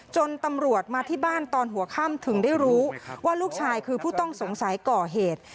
จนตำรวจมาที่บ้านตอนหัวค่ำถึงได้รู้ว่าลูกชายคือผู้ต้องสงสัยก่อเหตุ